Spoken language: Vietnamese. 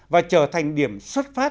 và trở thành điểm xuất phát